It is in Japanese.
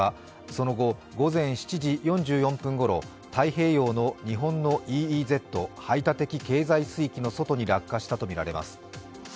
その後、午前７時４４分ごろ太平洋の日本のＥＥＺ＝排他的経済水域の外に落下したとみられます。